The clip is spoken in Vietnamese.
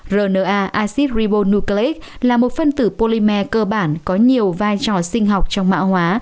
rna acid ribonucleic là một phân tử polymer cơ bản có nhiều vai trò sinh học trong mạng hóa